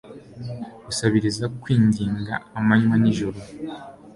gusabiriza, kwinginga, amanywa n'ijoro